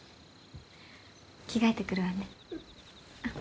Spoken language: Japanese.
着替えてくるわね。